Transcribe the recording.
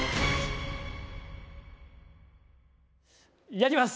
やります！